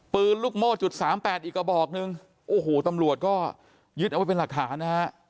ปืนลูกโม่จุดสามแปดอีกกระบอกหนึ่งโอ้โหตำรวจก็ยึดเอาไว้เป็นหลักฐานนะฮะ